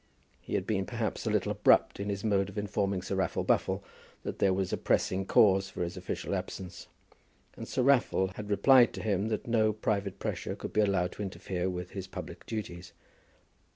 He had been perhaps a little abrupt in his mode of informing Sir Raffle Buffle that there was a pressing cause for his official absence, and Sir Raffle had replied to him that no private pressure could be allowed to interfere with his public duties.